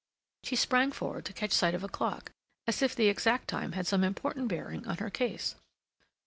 She sprang forward to catch sight of a clock, as if the exact time had some important bearing on her case.